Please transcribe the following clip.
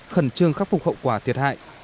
khẩn trương khắc phục hậu quả thiệt hại